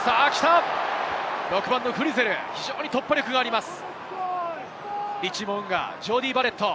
６番フリゼル、非常に突破力があります。